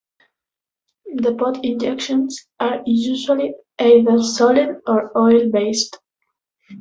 Depot injections are usually either solid or oil-based.